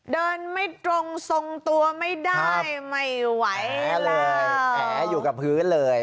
เดินไม่ตรงทรงตัวไม่ได้ไม่ไหวแผลเลยแผลอยู่กับพื้นเลย